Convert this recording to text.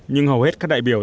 nhưng hầu hết các đại biểu